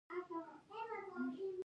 دوه زړي توب مو پر زړورتيا بدل کړئ.